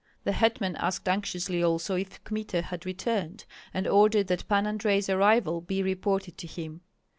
The hetman asked anxiously also if Kmita had returned, and ordered that Pan Andrei's arrival be reported to him.